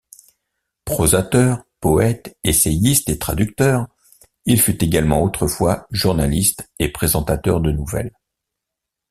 Prosateur, poète, essayiste et traducteur, il fut également autrefois journaliste et présentateur de nouvelles.